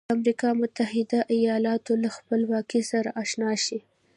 د امریکا متحده ایالتونو له خپلواکۍ سره آشنا شئ.